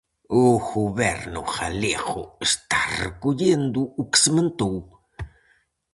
O Goberno galego está recollendo o que sementou.